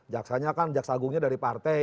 jaksanya kan jaksa agungnya dari partai